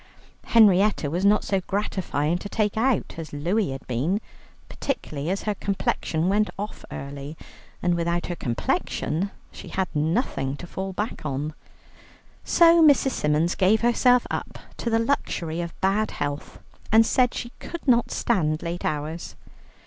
Henrietta was not so gratifying to take out as Louie had been, particularly as her complexion went off early, and without her complexion she had nothing to fall back on. So Mrs. Symons gave herself up to the luxury of bad health, and said she could not stand late hours.